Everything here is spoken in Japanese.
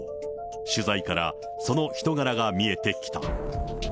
取材からその人柄が見えてきた。